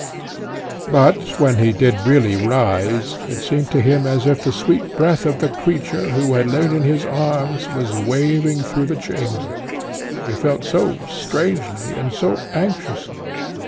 But, when he did really rise, it seemed to him as if the sweet breath of the creature, who had lain in his arms, was waving through the chamber he felt so strangely and so anxiously.